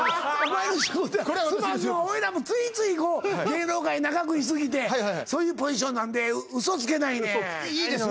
俺らもついつい芸能界長くいすぎてそういうポジションなんでウソつけないねんいいです